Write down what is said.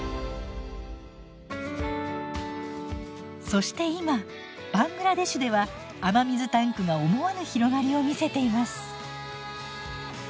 そして今バングラデシュでは雨水タンクが思わぬ広がりを見せています。